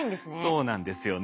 そうなんですよね。